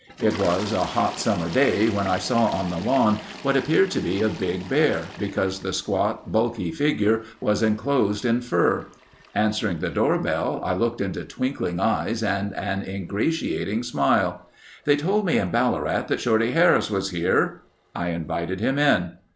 It was a hot summer day when I saw on the lawn what appeared to be a big bear, because the squat, bulky figure was enclosed in fur. Answering the door bell I looked into twinkling eyes and an ingratiating smile. "They told me in Ballarat that Shorty Harris was here." I invited him in.